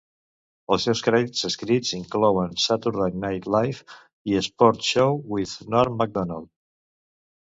Els seus crèdits escrits inclouen Saturday Night Live i Sports Show with Norm Macdonald.